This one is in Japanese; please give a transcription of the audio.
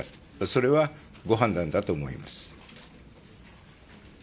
それはご判断だと思います。